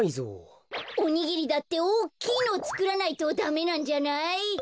おにぎりだっておっきいのをつくらないとダメなんじゃない？